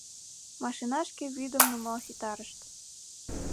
Машинышке вӱдым нумал ситарышт.